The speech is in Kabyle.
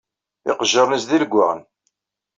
Iqejjaṛen-ines d ilewwaɣen.